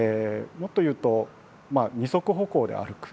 もっと言うと二足歩行で歩く。